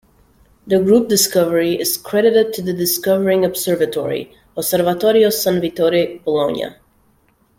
The group-discovery is credited to the discovering observatory, Osservatorio San Vittore, Bologna.